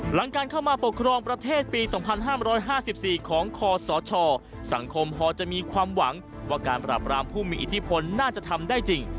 หลังการเข้ามาปกครองประเทศปี๒๕๕๔ของคอสชสังคมพอจะมีความหวังว่าการปราบรามผู้มีอิทธิพลน่าจะทำได้จริง